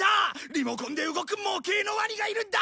リモコンで動く模型のワニがいるんだ！